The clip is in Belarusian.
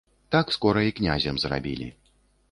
Так скора і князем зрабілі.